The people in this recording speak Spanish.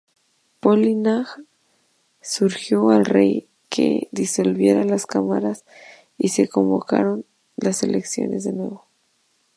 Polignac sugirió al rey que disolviera las cámaras, y se convocaron elecciones de nuevo.